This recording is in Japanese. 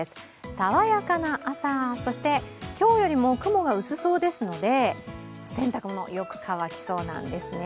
さわやかな朝、そして今日よりも雲が薄そうですので洗濯物、よく乾きそうなんですね。